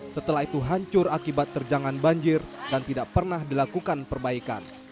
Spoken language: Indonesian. setelah itu hancur akibat terjangan banjir dan tidak pernah dilakukan perbaikan